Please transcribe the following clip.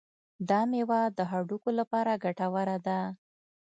دا میوه د هډوکو لپاره ګټوره ده.